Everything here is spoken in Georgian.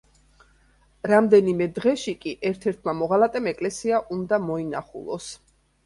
რამდენიმე დღეში კი ერთ-ერთმა მოღალატემ ეკლესია უნდა მოინახულოს.